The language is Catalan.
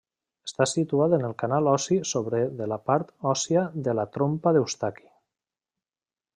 Està situat en el canal ossi sobre de la part òssia de la trompa d'Eustaqui.